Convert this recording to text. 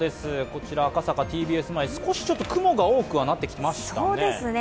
こちら、赤坂ＴＢＳ前、少し雲が多くなってはきましたね。